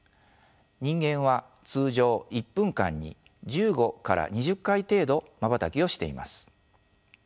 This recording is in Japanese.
人間は通常１分間に１５から２０回程度まばたきをしています。